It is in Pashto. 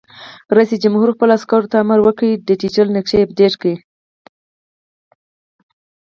رئیس جمهور خپلو عسکرو ته امر وکړ؛ ډیجیټل نقشې اپډېټ کړئ!